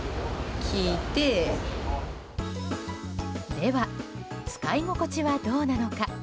では、使い心地はどうなのか。